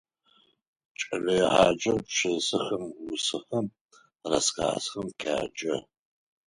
Кӏэлэегъаджэр пшысэхэм, усэхэм, рассказхэм къяджэ.